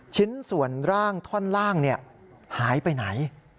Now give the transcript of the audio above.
ชิ้นส่วนร่างท่อนล่างหายไปไหน